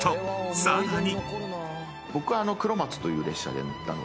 さらに］